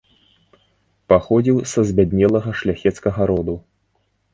Паходзіў са збяднелага шляхецкага роду.